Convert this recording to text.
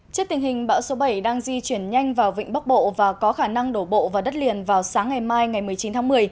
trước tình hình bão số bảy đang di chuyển nhanh vào vịnh bắc bộ và có khả năng đổ bộ vào đất liền vào sáng ngày mai ngày một mươi chín tháng một mươi